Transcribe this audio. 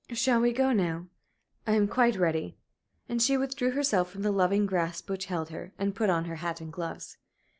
"Shall we go now? I am quite ready." And she withdrew herself from the loving grasp which held her, and put on her hat and gloves.